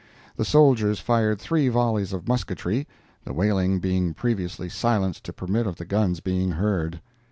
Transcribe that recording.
The soldiers fired three volleys of musketry—the wailing being previously silenced to permit of the guns being heard.